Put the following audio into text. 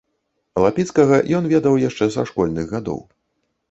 Лапіцкага ён ведаў яшчэ са школьных гадоў.